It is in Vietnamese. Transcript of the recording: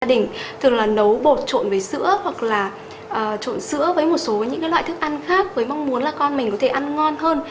gia đình thường là nấu bột trộn với sữa hoặc là trộn sữa với một số những loại thức ăn khác với mong muốn là con mình có thể ăn ngon hơn